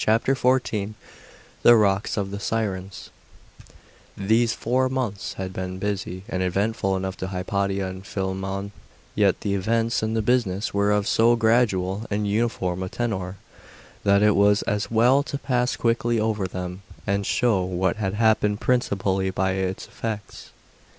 CHAPTER XIV: THE ROCKS OF THE SIRENS THESE four months had been busy and eventful enough to Hypatia and to Philammon; yet the events and the business were of so gradual and uniform a tenor, that it is as well to pass quickly over them, and show what had happened principally by its effects.